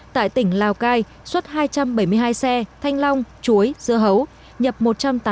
tại tỉnh lào cai xuất hai trăm bảy mươi hai xe thanh long chuối dưa hấu nhập